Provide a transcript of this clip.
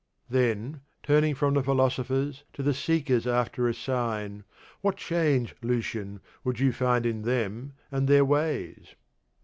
Then, turning from the philosophers to the seekers after a sign, what change, Lucian, would you find in them and their ways?